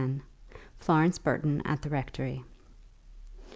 FLORENCE BURTON AT THE RECTORY.